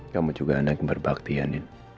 kamu juga anak yang berbakti yanin